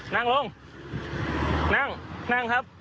นั่งลงนั่งนั่งครับ